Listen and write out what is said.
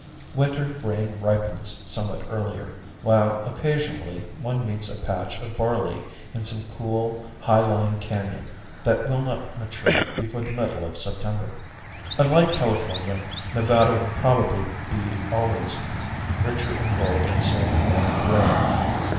Winter grain ripens somewhat earlier, while occasionally one meets a patch of barley in some cool, high lying cañon that will not mature before the middle of September. Unlike California, Nevada will probably be always richer in gold and silver than in grain.